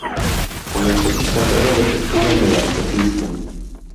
Comenzó su carrera deportiva en el atletismo.